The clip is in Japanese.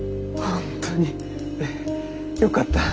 本当によかったわ。